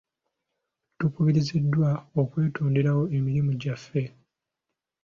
Tukubiriziddwa okwetonderawo emirimu gyaffe.